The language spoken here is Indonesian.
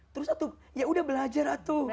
terus ya udah belajar